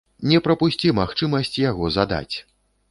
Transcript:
Не прапусці магчымасць яго задаць!